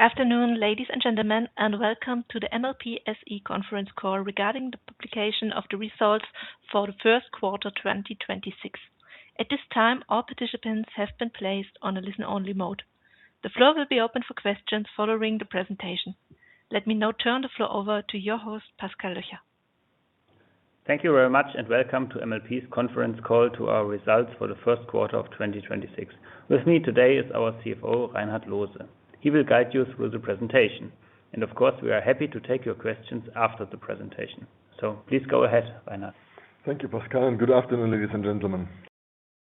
Afternoon, ladies and gentlemen, and welcome to the MLP SE conference call regarding the publication of the results for the first quarter 2026. At this time, all participants have been placed on a listen-only mode. The floor will be open for questions following the presentation. Let me now turn the floor over to your host, Pascal Löcher. Thank you very much. Welcome to MLP's conference call to our results for the first quarter of 2026. With me today is our CFO, Reinhard Loose. He will guide you through the presentation. Of course, we are happy to take your questions after the presentation. Please go ahead, Reinhard. Thank you, Pascal, and good afternoon, ladies and gentlemen.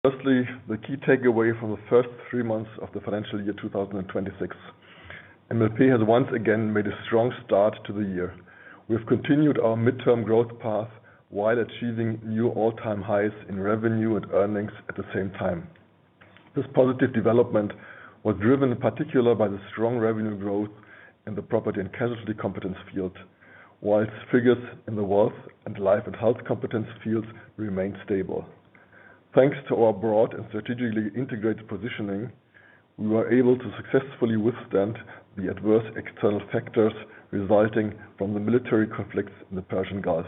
Firstly, the key takeaway from the first three months of the financial year 2026. MLP has once again made a strong start to the year. We have continued our midterm growth path while achieving new all-time highs in revenue and earnings at the same time. This positive development was driven in particular by the strong revenue growth in the property and casualty competence field, while figures in the wealth and life and health competence fields remained stable. Thanks to our broad and strategically integrated positioning, we were able to successfully withstand the adverse external factors resulting from the military conflicts in the Persian Gulf.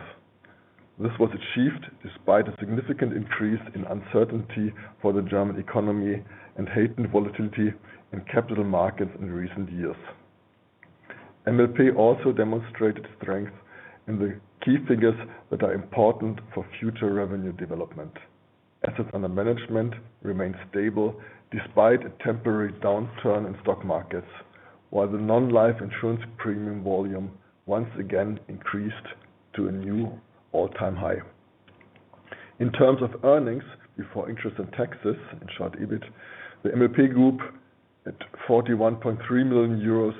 This was achieved despite a significant increase in uncertainty for the German economy and heightened volatility in capital markets in recent years. MLP also demonstrated strength in the key figures that are important for future revenue development. Assets under management remained stable despite a temporary downturn in stock markets, while the non-life insurance premium volume once again increased to a new all-time high. In terms of earnings before interest and taxes, in short EBIT, the MLP Group at 41.3 million euros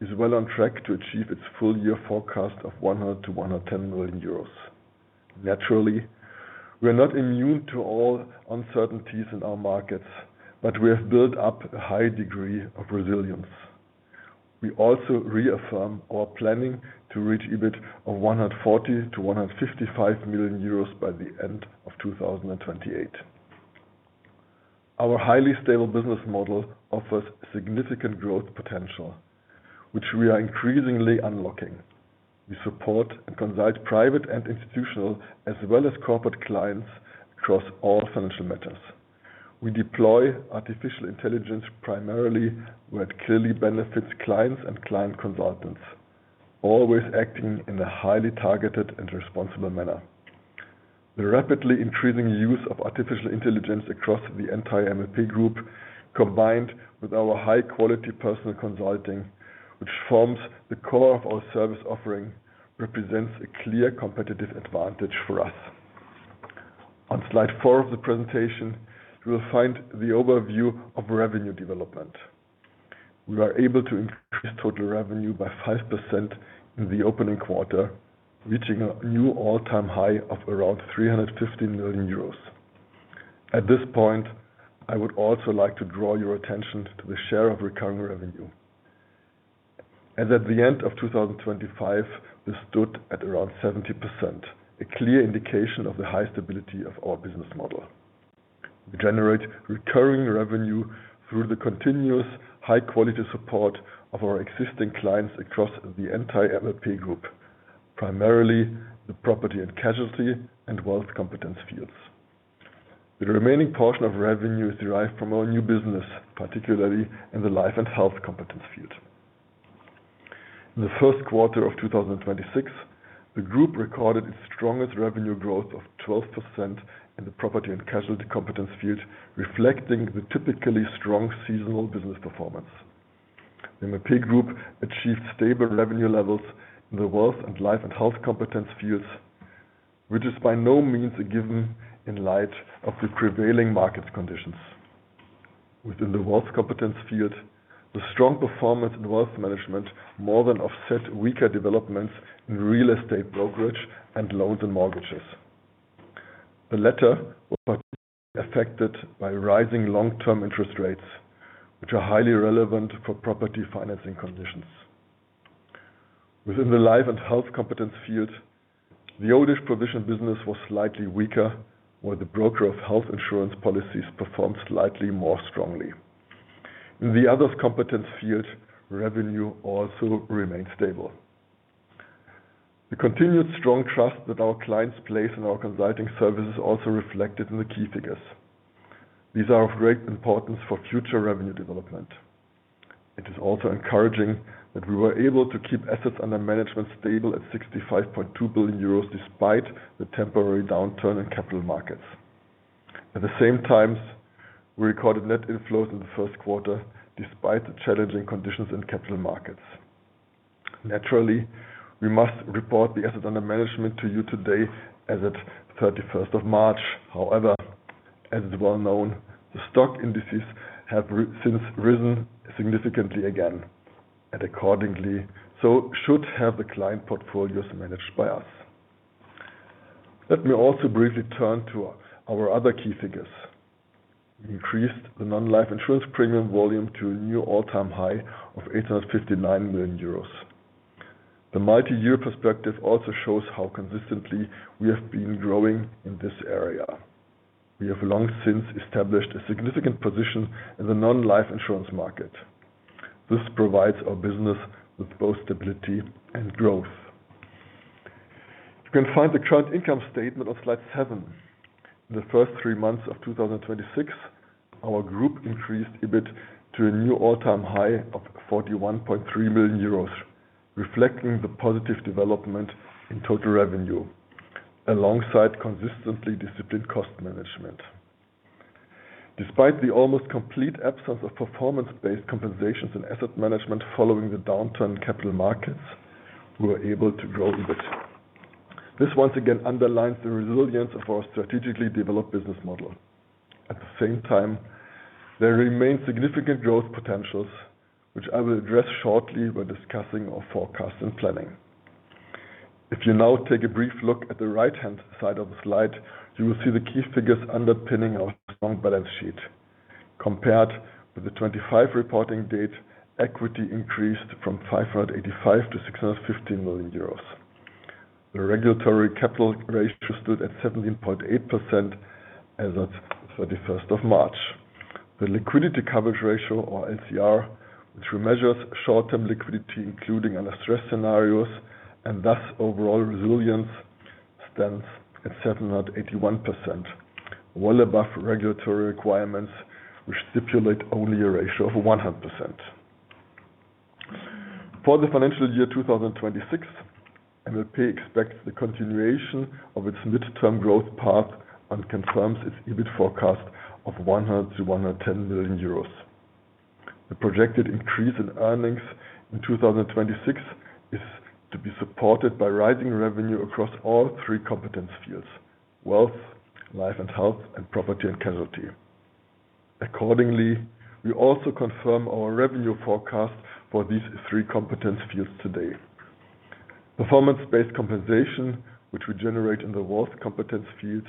is well on track to achieve its full-year forecast of 100 million-110 million euros. Naturally, we are not immune to all uncertainties in our markets, but we have built up a high degree of resilience. We also reaffirm our planning to reach EBIT of 140 million-155 million euros by the end of 2028. Our highly stable business model offers significant growth potential, which we are increasingly unlocking. We support and consult private and institutional, as well as corporate clients across all financial matters. We deploy artificial intelligence primarily where it clearly benefits clients and client consultants, always acting in a highly targeted and responsible manner. The rapidly increasing use of artificial intelligence across the entire MLP Group, combined with our high-quality personal consulting, which forms the core of our service offering, represents a clear competitive advantage for us. On Slide 4 of the presentation, you will find the overview of revenue development. We were able to increase total revenue by 5% in the opening quarter, reaching a new all-time high of around 350 million euros. At this point, I would also like to draw your attention to the share of recurring revenue. As at the end of 2025, this stood at around 70%, a clear indication of the high stability of our business model. We generate recurring revenue through the continuous high-quality support of our existing clients across the entire MLP Group, primarily the property and casualty and wealth competence fields. The remaining portion of revenue is derived from our new business, particularly in the life and health competence field. In the first quarter of 2026, the group recorded its strongest revenue growth of 12% in the property and casualty competence field, reflecting the typically strong seasonal business performance. The MLP Group achieved stable revenue levels in the wealth and life and health competence fields, which is by no means a given in light of the prevailing market conditions. Within the wealth competence field, the strong performance in wealth management more than offset weaker developments in real estate brokerage and loans and mortgages. The latter was particularly affected by rising long-term interest rates, which are highly relevant for property financing conditions. Within the life and health competence field, the old age provision business was slightly weaker, while the broker of health insurance policies performed slightly more strongly. In the others competence field, revenue also remained stable. The continued strong trust that our clients place in our consulting services is also reflected in the key figures. These are of great importance for future revenue development. It is also encouraging that we were able to keep assets under management stable at 65.2 billion euros, despite the temporary downturn in capital markets. At the same time, we recorded net inflows in the first quarter, despite the challenging conditions in capital markets. Naturally, we must report the assets under management to you today as at 31st of March. However, as is well known, the stock indices have since risen significantly again, and accordingly, so should have the client portfolios managed by us. Let me also briefly turn to our other key figures. We increased the non-life insurance premium volume to a new all-time high of 859 million euros. The multi-year perspective also shows how consistently we have been growing in this area. We have long since established a significant position in the non-life insurance market. This provides our business with both stability and growth. You can find the current income statement on Slide 7. The first three months of 2026, our group increased EBIT to a new all-time high of 41.3 million euros, reflecting the positive development in total revenue, alongside consistently disciplined cost management. Despite the almost complete absence of performance-based compensations and asset management following the downturn capital markets, we were able to grow a bit. This once again underlines the resilience of our strategically developed business model. At the same time, there remains significant growth potentials, which I will address shortly when discussing our forecast and planning. If you now take a brief look at the right-hand side of the slide, you will see the key figures underpinning our strong balance sheet. Compared with the 25 reporting date, equity increased from 585 million to 615 million euros. The regulatory capital ratio stood at 17.8% as at 31st of March. The liquidity coverage ratio or LCR, which measures short-term liquidity, including under stress scenarios, and thus overall resilience, stands at 7.81%, well above regulatory requirements, which stipulate only a ratio of 100%. For the financial year 2026, MLP expects the continuation of its midterm growth path and confirms its EBIT forecast of 100 million-110 million euros. The projected increase in earnings in 2026 is to be supported by rising revenue across all three competence fields: wealth, life and health, and property and casualty. Accordingly, we also confirm our revenue forecast for these three competence fields today. Performance-based compensation, which we generate in the wealth competence field,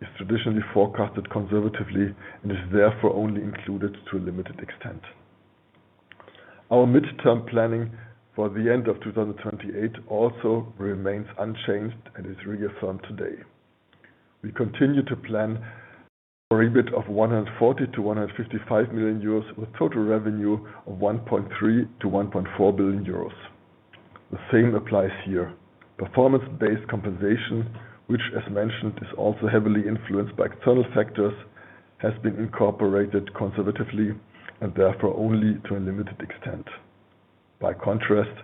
is traditionally forecasted conservatively and is therefore only included to a limited extent. Our midterm planning for the end of 2028 also remains unchanged and is reaffirmed today. We continue to plan for EBIT of 140 million-155 million euros with total revenue of 1.3 billion-1.4 billion euros. The same applies here. Performance-based compensation, which as mentioned, is also heavily influenced by external factors, has been incorporated conservatively and therefore only to a limited extent. By contrast,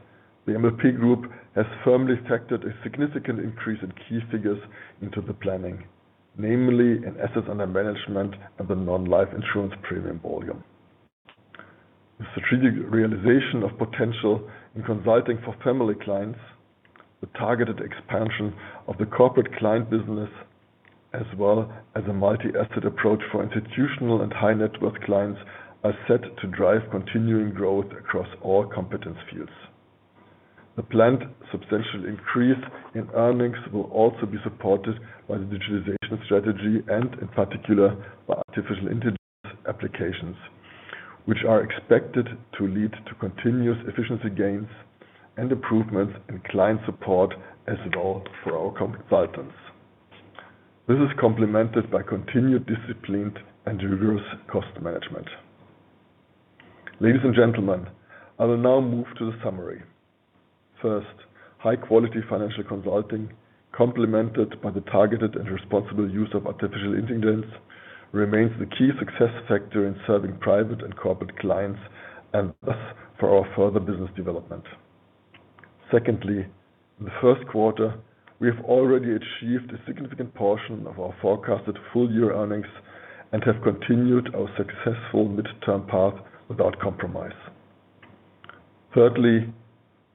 the MLP Group has firmly factored a significant increase in key figures into the planning, namely an asset under management and the non-life insurance premium volume. The strategic realization of potential in consulting for family clients, the targeted expansion of the corporate client business, as well as a multi-asset approach for institutional and high net worth clients are set to drive continuing growth across all competence fields. The planned substantial increase in earnings will also be supported by the digitalization strategy and in particular by artificial intelligence applications, which are expected to lead to continuous efficiency gains and improvements in client support as well for our consultants. This is complemented by continued disciplined and rigorous cost management. Ladies and gentlemen, I will now move to the summary. First, high-quality financial consulting, complemented by the targeted and responsible use of artificial intelligence, remains the key success factor in serving private and corporate clients and thus for our further business development. Secondly, in the first quarter, we have already achieved a significant portion of our forecasted full-year earnings and have continued our successful midterm path without compromise. Thirdly,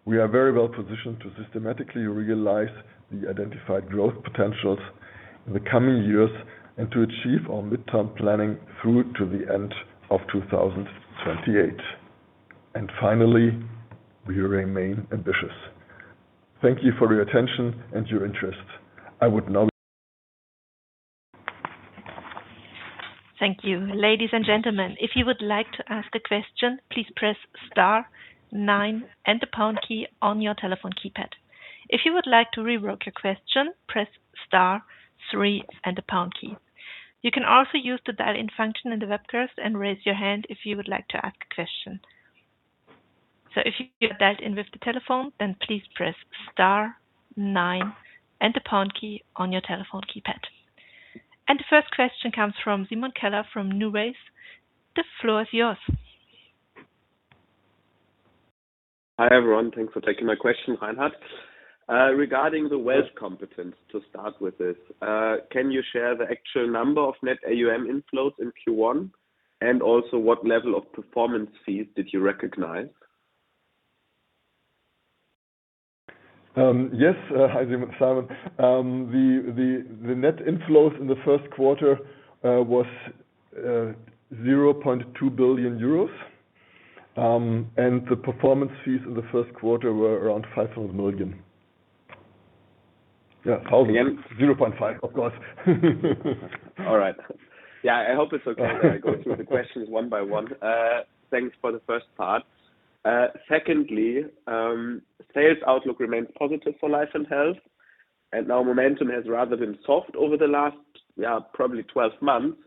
we are very well positioned to systematically realize the identified growth potentials in the coming years and to achieve our midterm planning through to the end of 2028. Finally, we remain ambitious. Thank you for your attention and your interest. Thank you. Ladies and gentlemen, if you would like to ask a question, please press star nine and the pound key on your telephone keypad. If you would like to revoke your question, press star three and the pound key. You can also use the dial-in function in the webcast and raise your hand if you would like to ask a question. If you get dialed in with the telephone, then please press star nine and the pound key on your telephone keypad. The first question comes from Simon Keller from NuWays. The floor is yours. Hi, everyone. Thanks for taking my question, Reinhard. Regarding the wealth competence to start with this, can you share the actual number of net AUM inflows in Q1? Also, what level of performance fees did you recognize? Yes. Hi, Simon. The net inflows in the first quarter was 0.2 billion euros. The performance fees in the first quarter were around 500 million. Yeah. 0.5 billion, of course. All right. Yeah, I hope it's okay that I go through the questions one by one. Thanks for the first part. Secondly, sales outlook remains positive for Life & Health, and now momentum has rather been soft over the last, yeah, probably 12 months.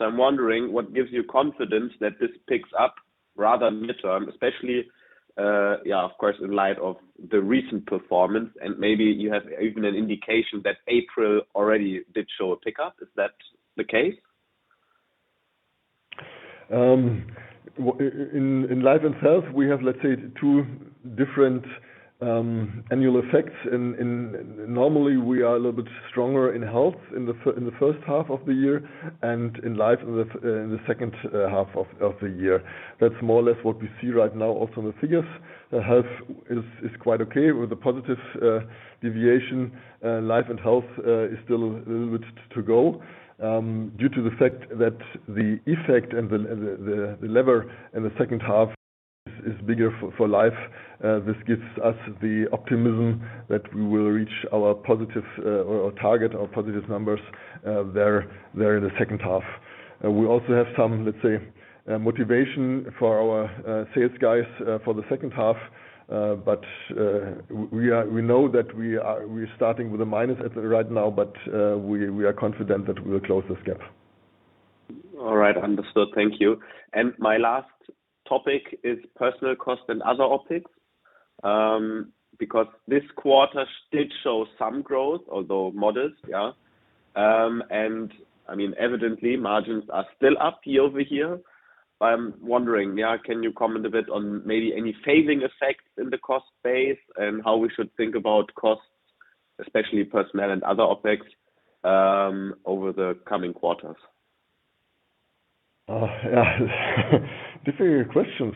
I'm wondering what gives you confidence that this picks up rather midterm, especially, yeah, of course, in light of the recent performance. Maybe you have even an indication that April already did show a pickup. Is that the case? In Life & Health, we have, let's say, two different annual effects. Normally, we are a little bit stronger in Health in the first half of the year and in Life in the second half of the year. That's more or less what we see right now also in the figures. Health is quite okay with a positive deviation. Life & Health is still a little bit to go. Due to the fact that the effect and the lever in the second half is bigger for Life, this gives us the optimism that we will reach our positive or target our positive numbers in the second half. We also have some, let's say, motivation for our sales guys for the second half. We know that we are starting with a minus at right now, but we are confident that we will close this gap. All right. Understood. Thank you. My last topic is personnel cost and other OpEx. Because this quarter did show some growth, although modest. I mean, evidently margins are still up year-over-year. I'm wondering, can you comment a bit on maybe any phasing effects in the cost base and how we should think about costs, especially personnel and other OpEx, over the coming quarters? Oh, yeah. Different questions.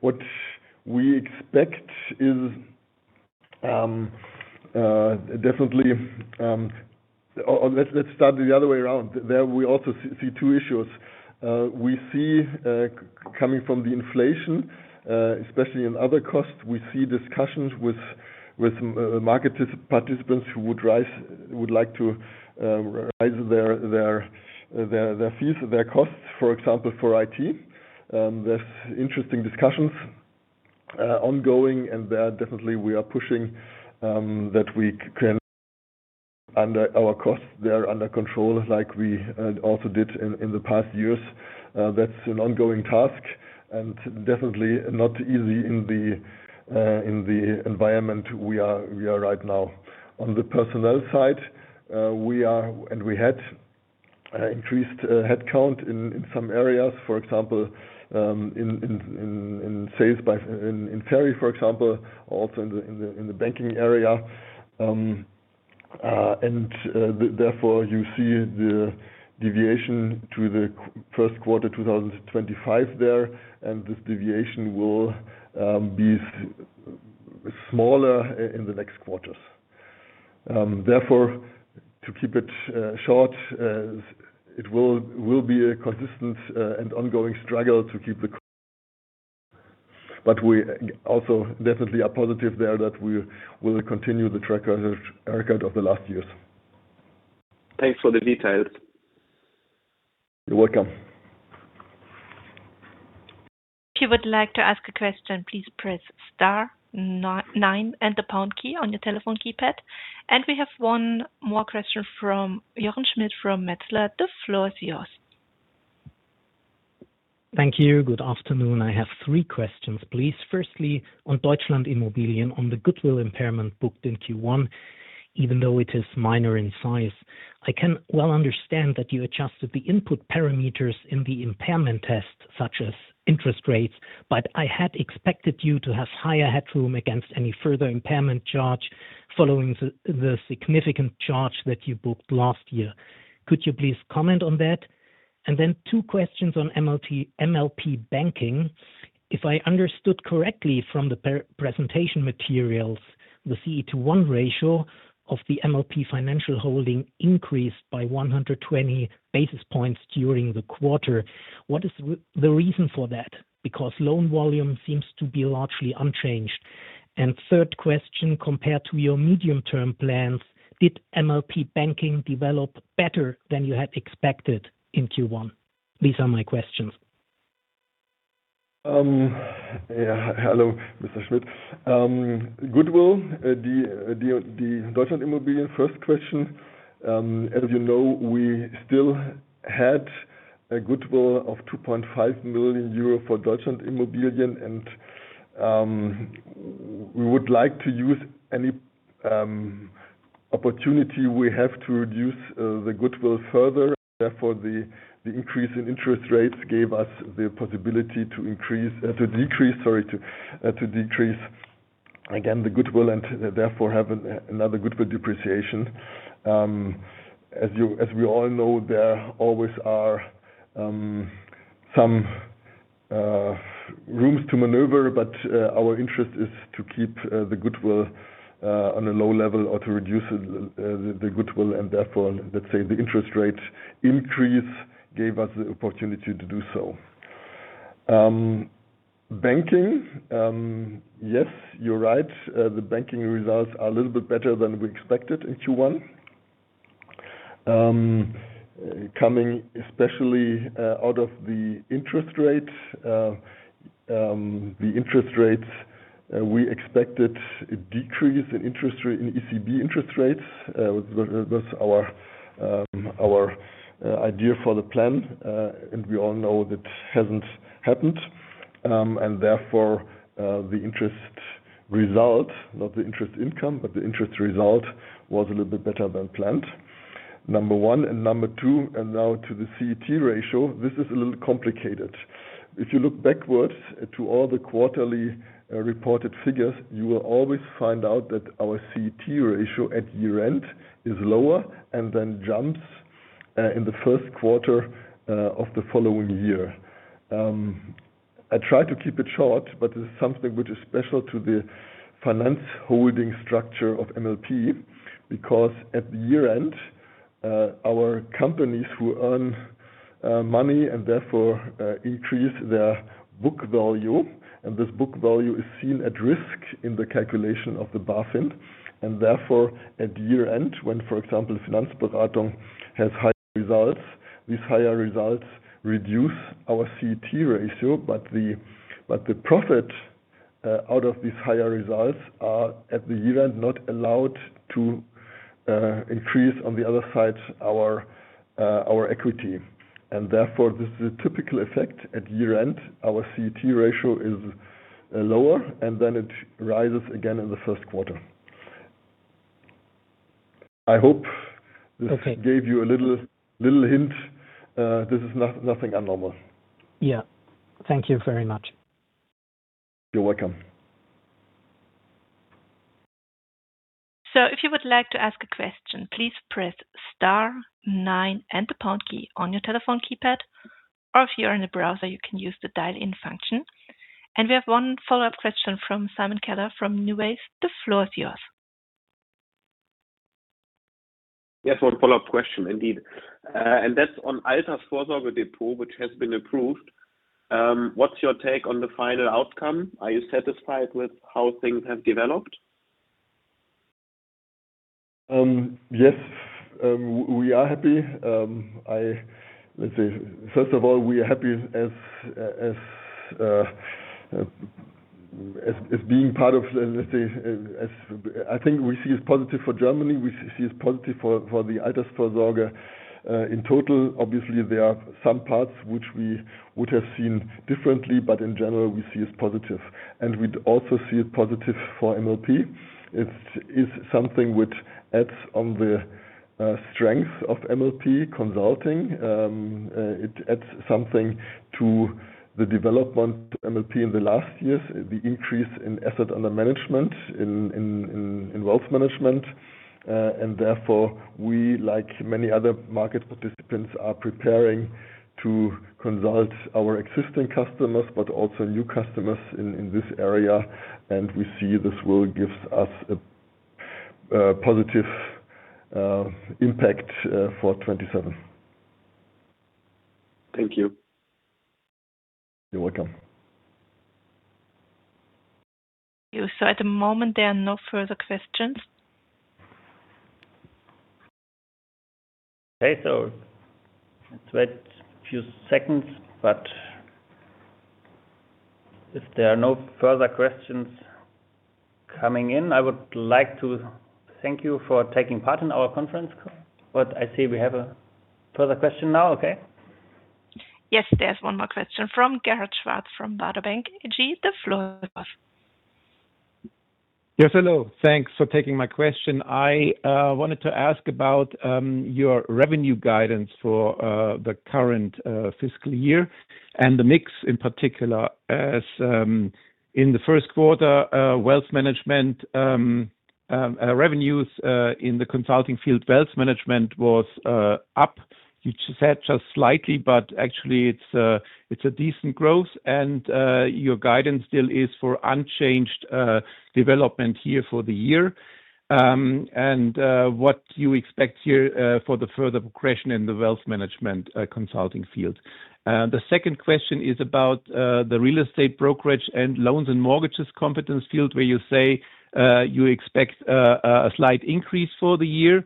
What we expect is definitely. Or let's start the other way around. There we also see two issues. We see coming from the inflation, especially in other costs, we see discussions with market participants who would like to rise their fees, their costs, for example, for IT. There's interesting discussions ongoing. There definitely we are pushing that we can under our costs. They are under control like we also did in the past years. That's an ongoing task and definitely not easy in the environment we are right now. On the personnel side, we are and we had increased headcount in some areas. For example, in sales in FERI, for example, also in the banking area. Therefore, you see the deviation to the first quarter 2025 there, and this deviation will be smaller in the next quarters. Therefore, to keep it short, it will be a consistent and ongoing struggle to keep the. We also definitely are positive there that we will continue the track record of the last years. Thanks for the details. You're welcome. We have one more question from Jochen Schmitt from Metzler. The floor is yours. Thank you. Good afternoon. I have three questions, please. Firstly, on DEUTSCHLAND.Immobilien, on the goodwill impairment booked in Q1, even though it is minor in size, I can well understand that you adjusted the input parameters in the impairment test, such as interest rates, I had expected you to have higher headroom against any further impairment charge following the significant charge that you booked last year. Could you please comment on that? Two questions on MLP Banking. If I understood correctly from the per-presentation materials, the CET1 ratio of the MLP Financial holding group increased by 120 basis points during the quarter. What is the reason for that? Loan volume seems to be largely unchanged. Third question, compared to your medium-term plans, did MLP Banking develop better than you had expected in Q1? These are my questions. Hello, Mr. Schmitt. Goodwill, the DEUTSCHLAND.Immobilien first question. As you know, we still had a goodwill of 2.5 million euro for DEUTSCHLAND.Immobilien, and we would like to use any opportunity we have to reduce the goodwill further. Therefore, the increase in interest rates gave us the possibility to decrease, sorry, to decrease again the goodwill and therefore have another goodwill depreciation. As we all know, there always are some rooms to maneuver, but our interest is to keep the goodwill on a low level or to reduce it, the goodwill, and therefore, let's say the interest rate increase gave us the opportunity to do so. Banking, yes, you're right. The banking results are a little bit better than we expected in Q1. Coming especially out of the interest rate. The interest rates, we expected a decrease in ECB interest rates. Was our idea for the plan. We all know that hasn't happened. Therefore, the interest result, not the interest income, but the interest result was a little bit better than planned, number one. Number two, now to the CET1 ratio, this is a little complicated. If you look backwards to all the quarterly reported figures, you will always find out that our CET1 ratio at year-end is lower and then jumps in the first quarter of the following year. I try to keep it short, but this is something which is special to the finance holding structure of MLP, because at the year-end, our companies who earn money and therefore, increase their book value, and this book value is seen at risk in the calculation of the BaFin. Therefore, at year-end, when, for example, Finanzberatung has high results, these higher results reduce our CET ratio. The profit out of these higher results are at the year-end not allowed to increase on the other side our equity. Therefore, this is a typical effect at year-end. Our CET ratio is lower, and then it rises again in the first quarter. I hope this. Okay Gave you a little hint. This is nothing abnormal. Yeah. Thank you very much. You're welcome. If you would like to ask a question, please press Star nine and the pound key on your telephone keypad, or if you're in a browser, you can use the dial-in function. We have one follow-up question from Simon Keller from NuWays. The floor is yours. Yes, one follow-up question indeed. That's on Altersvorsorgedepot, which has been approved. What's your take on the final outcome? Are you satisfied with how things have developed? Yes, we are happy. Let's say, first of all, we are happy as being part of, I think we see it as positive for Germany. We see it as positive for the Altersvorsorge in total. Obviously, there are some parts which we would have seen differently, but in general, we see as positive. We'd also see it positive for MLP. It is something which adds on the strength of MLP consulting. It adds something to the development MLP in the last years, the increase in asset under management in wealth management. Therefore, we, like many other market participants, are preparing to consult our existing customers, but also new customers in this area. We see this will give us a positive impact for 2027. Thank you. You're welcome. Thank you. At the moment, there are no further questions. Okay. Let's wait a few seconds, but if there are no further questions coming in, I would like to thank you for taking part in our conference call. I see we have a further question now. Okay. Yes. There's one more question from Gerhard Schwarz from Baader Bank AG. The floor is yours. Yes, hello. Thanks for taking my question. I wanted to ask about your revenue guidance for the current fiscal year and the mix in particular as in the first quarter wealth management revenues in the consulting field, wealth management was up. You said just slightly, actually it's a decent growth. Your guidance still is for unchanged development here for the year. What you expect here for the further progression in the wealth management consulting field. The second question is about the real estate brokerage and loans and mortgages competence field, where you say you expect a slight increase for the year,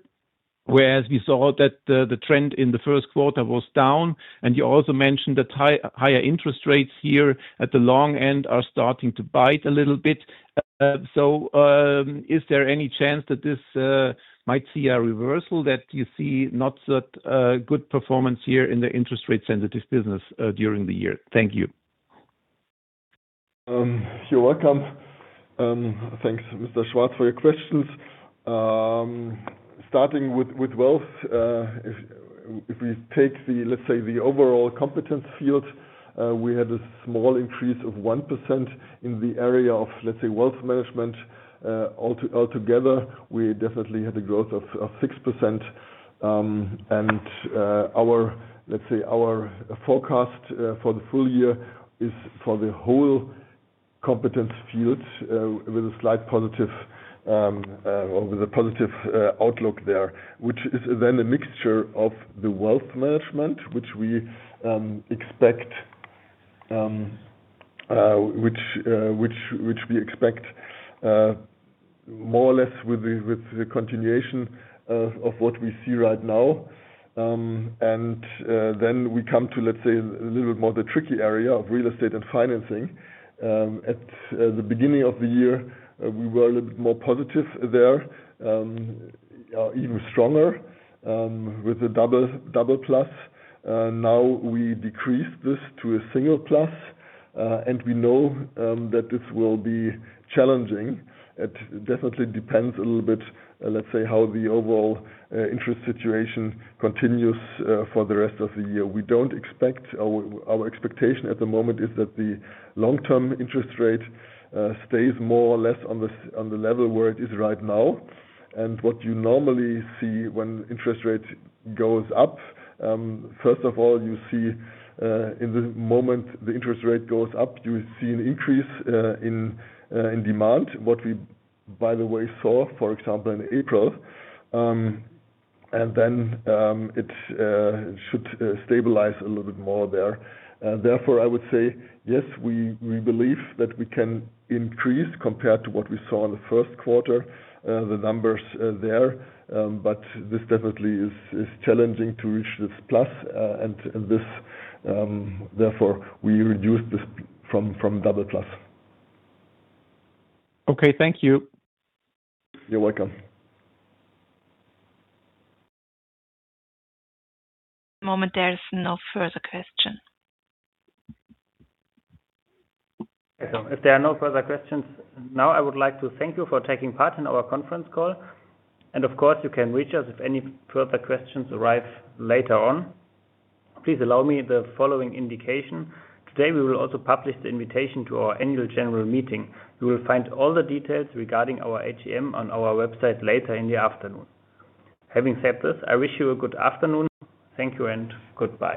whereas we saw that the trend in the first quarter was down. You also mentioned that higher interest rates here at the long end are starting to bite a little bit. Is there any chance that this might see a reversal that you see not such good performance here in the interest rate sensitive business during the year? Thank you. You're welcome. Thanks, Mr. Schwarz, for your questions. Starting with wealth, if we take the, let's say, the overall competence field, we had a small increase of 1% in the area of, let's say, wealth management. Altogether, we definitely had a growth of 6%. Our, let's say, our forecast for the full year is for the whole competence field with a slight positive or with a positive outlook there, which is then a mixture of the wealth management, which we expect more or less with the continuation of what we see right now. We come to, let's say, a little bit more the tricky area of real estate and financing. At the beginning of the year, we were a little bit more positive there, even stronger, with a double plus. Now we decrease this to a single plus, and we know that this will be challenging. It definitely depends a little bit, let's say, how the overall interest situation continues for the rest of the year. Our expectation at the moment is that the long-term interest rate stays more or less on the level where it is right now. What you normally see when interest rate goes up, first of all, you see in the moment the interest rate goes up, you see an increase in demand. What we, by the way, saw, for example, in April. Then, it should stabilize a little bit more there. Therefore, I would say yes, we believe that we can increase compared to what we saw in the first quarter, the numbers there. This definitely is challenging to reach this plus, and this, therefore, we reduce this from double plus. Okay. Thank you. You're welcome. At the moment, there is no further question. If there are no further questions, now I would like to thank you for taking part in our conference call. Of course, you can reach us if any further questions arise later on. Please allow me the following indication. Today, we will also publish the invitation to our annual general meeting. You will find all the details regarding our AGM on our website later in the afternoon. Having said this, I wish you a good afternoon. Thank you and goodbye.